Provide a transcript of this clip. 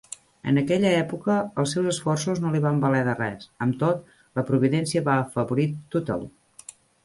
En aquella època els seus esforços no li van valer de res; amb tot, la providència va afavorir Tuttle.